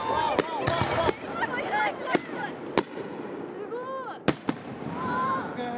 すごい。